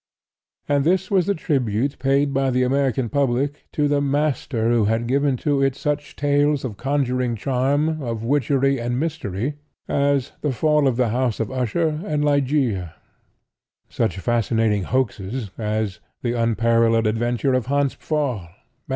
And this was the tribute paid by the American public to the master who had given to it such tales of conjuring charm, of witchery and mystery as "The Fall of the House of Usher" and "Ligeia"; such fascinating hoaxes as "The Unparalleled Adventure of Hans Pfaall," "MSS.